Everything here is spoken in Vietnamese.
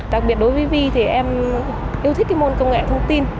đặc biệt đối với vi thì em yêu thích cái môn công nghệ thông tin